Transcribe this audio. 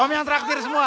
om yang traktir semua